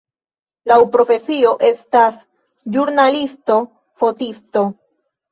Laŭ profesio estas ĵurnalisto-fotisto.